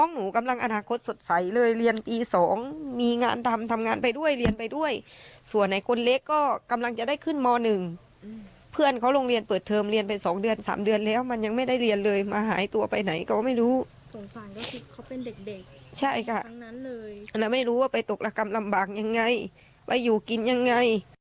หายตัวไปตั้งแต่ปลายเมษาและคิดดูสิพฤษภาพเปิดเทอมมาเด็ก๒คนยังไม่ได้ไปโรงเรียนเลยจนถึงวันนี้ค่ะ